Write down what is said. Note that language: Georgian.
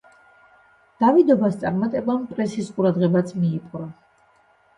დავიდოვას წარმატებამ პრესის ყურადღებაც მიიპყრო.